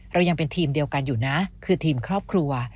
เรายังเป็นทีมเดียวกันอยู่นะคือทีมครอบครัว